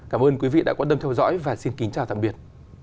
cảm ơn quý vị đã quan tâm theo dõi và xin kính chào tạm biệt